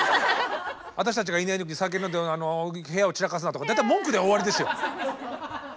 「私たちがいない時に酒飲んで部屋を散らかすな」とか大体文句で終わりですよ。